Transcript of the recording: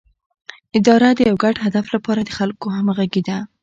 اداره د یو ګډ هدف لپاره د خلکو همغږي ده